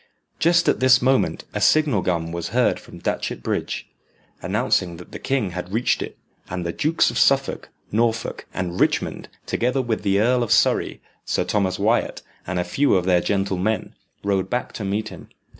Just at this moment a signal gun was heard from Datchet Bridge, announcing that the king had reached it, and the Dukes of Suffolk, Norfolk, and Richmond, together with the Earl of Surrey, Sir Thomas Wyat, and a few of their gentle men, rode back to meet him.